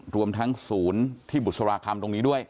รวมทั้งศูนย์ที่บุษราคำตรงนี้ด้วย